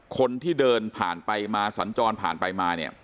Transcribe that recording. คนที่เดินผ่านไปมาสัญจรผ่านไปมาเนี่ย